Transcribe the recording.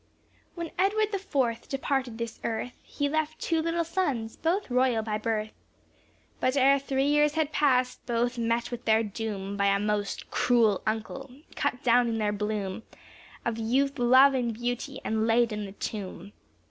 When Edward the fourth departed this earth, He left two little sons, both Royal by birth; But ere three years had pass'd, both met with their doom, By a most cruel uncle, cut down in their bloom Of youth, love, and beauty, and laid in the tomb.